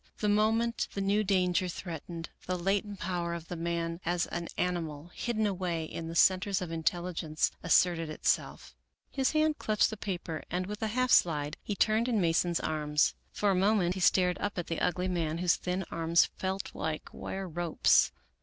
The moment the new danger threatened, the latent power of the man as an animal, hidden away in the centers of intelligence, asserted itself. His hand clutched the paper and, with a half slide, he turned in Mason's arms. For a moment he stared up at the ugly man whose thin arms felt like wire ropes.